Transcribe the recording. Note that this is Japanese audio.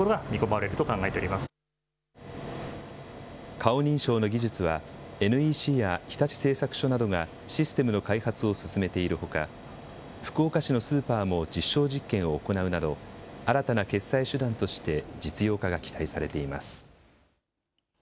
顔認証の技術は、ＮＥＣや日立製作所などがシステムの開発を進めているほか、福岡市のスーパーも実証実験を行うなど、新たな決済手段として実用化が期待されています。